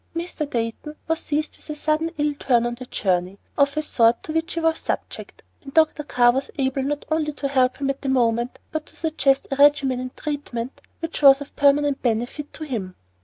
Mr. Dayton was seized with a sudden ill turn on the journey, of a sort to which he was subject, and Dr. Carr was able not only to help him at the moment, but to suggest a regimen and treatment which was of permanent benefit to him.